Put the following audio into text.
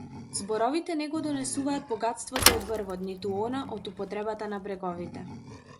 Зборовите не го донесуваат богатството од врвот, ниту она од утробата на бреговите.